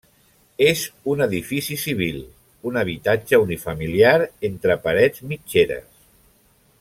És un edifici civil, un habitatge unifamiliar entre parets mitgeres.